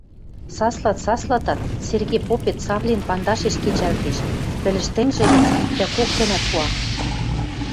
Саслат-саслатат, Серге попет Савлин пандашеш кечӓлтеш, пӹлӹштӹнгжӹ гӹц иктӓ кок гӓнӓ пуа.